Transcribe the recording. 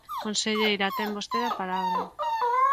Conselleira, ten vostede a palabra.